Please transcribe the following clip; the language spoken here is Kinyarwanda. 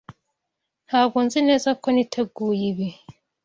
Ntabwo nzi neza ko niteguye ibi.